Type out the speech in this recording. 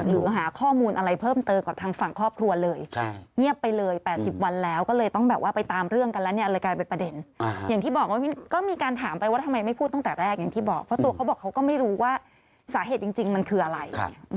หรือหาข้อมูลอะไรเพิ่มเติมกว่าทางฝั่งครอบครัวเลย